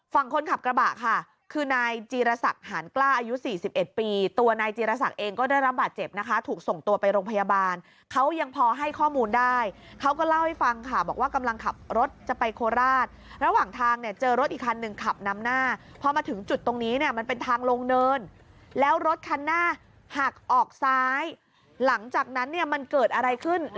ฝั่งคนขับกระบะค่ะคือนายจีรศักดิ์หานกล้าอายุ๔๑ปีตัวนายจีรศักดิ์เองก็ได้รับบาดเจ็บนะคะถูกส่งตัวไปโรงพยาบาลเขายังพอให้ข้อมูลได้เขาก็เล่าให้ฟังค่ะบอกว่ากำลังขับรถจะไปโคราชระหว่างทางเนี่ยเจอรถอีกคันหนึ่งขับนำหน้าพอมาถึงจุดตรงนี้เนี่ยมันเป็นทางลงเนินแล้วรถคันหน้าหักออกซ้ายหลังจากนั้นเนี่ยมันเกิดอะไรขึ้น